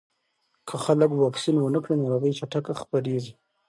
که خلک واکسین ونه کړي، ناروغي چټکه خپرېږي.